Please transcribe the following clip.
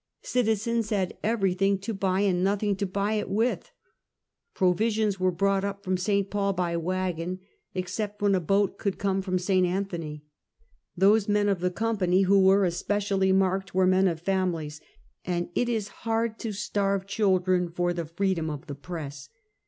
Citizens had everything to buy and noth ing to buy it with. Provisions were brought up from St. Paul by wagon, except when a boat could come from St. Anthony. Those men of the company who were especially marked, were men of families, and it is hard to starve children for the freedom of the press.